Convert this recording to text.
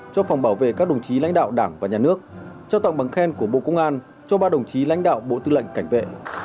cho phòng bảo vệ các đồng chí lãnh đạo đảng và nhà nước trao tặng bằng khen của bộ công an cho ba đồng chí lãnh đạo bộ tư lệnh cảnh vệ